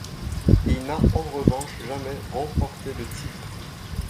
Il n'a en revanche jamais remporté de titres.